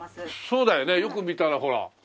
そうだよねよく見たらほら。